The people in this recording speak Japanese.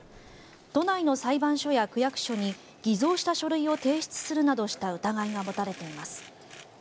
都内の裁判所や区役所に偽造した書類を提出するなどした疑いが持たれています。